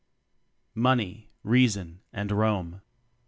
Money, Reason and Rome.